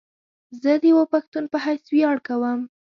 زه ديوه پښتون په حيث وياړ کوم